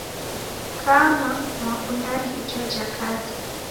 Kama mwakundane ijo jakata